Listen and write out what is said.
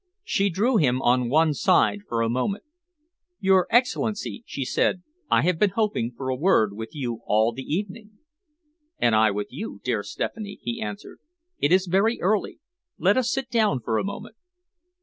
She drew him on one side for a moment. "Your Excellency," she said, "I have been hoping for a word with you all the evening." "And I with you, dear Stephanie," he answered. "It is very early. Let us sit down for a moment."